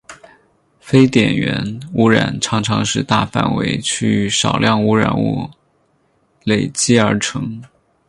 非点源污染常常是大范围区域少量污染物累积而成。